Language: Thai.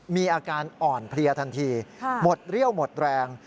มีอาการอ่อนเพลียทันทีหมดเรี่ยวหมดแรง